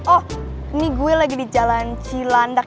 oh ini gue lagi di jalan cilandak